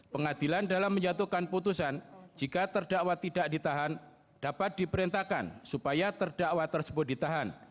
pengadilan dalam menjatuhkan putusan jika terdakwa tidak ditahan dapat diperintahkan supaya terdakwa tersebut ditahan